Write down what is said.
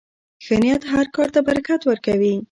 ښه نیت هر کار ته برکت ورکوي.